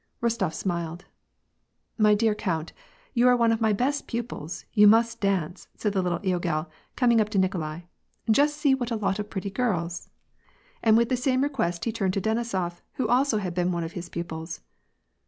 Eostof smiled. " My dear count, you are one of my best pupils, you must dance," said the little logel, coming up to NikolaL ^' Just see what a lot of pretty girls." * And with the same request he turned to Denisof, who also had been one of his pupils.